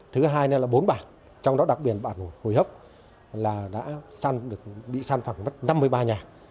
thứ hai là bốn bản trong đó đặc biệt bản hồi hấp đã bị san phẳng mất năm mươi ba nhà